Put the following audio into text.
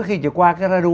khi chỉ qua cái radio